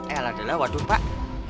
eh ala ala waduh pak